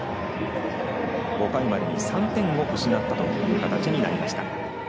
５回までに３点を失ったという形になりました。